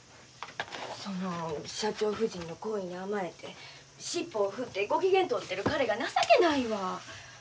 その社長夫人の好意に甘えて尻尾を振ってご機嫌取ってる彼が情けないわ。